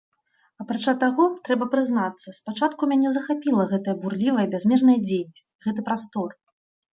Апрача таго, трэба прызнацца, спачатку мяне захапіла гэтая бурлівая, бязмежная дзейнасць, гэты прастор.